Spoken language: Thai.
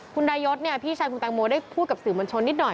คุณดายศพี่ชายคุณแตงโมได้พูดกับสื่อมวลชนนิดหน่อย